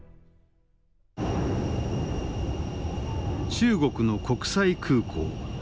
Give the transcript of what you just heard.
中国の国際空港。